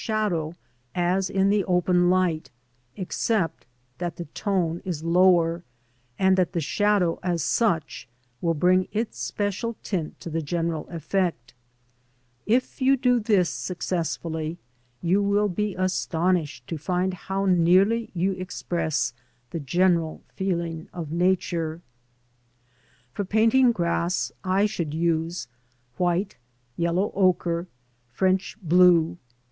shadow as in the open light, except that the tone is lower, and that the shadow, as such, will bring its special tint to the general effect If you do this successfully you will be astonished to find how nearly you express the general feeling of Nature. For painting grass I should use white, yellow ochre, French blue, No.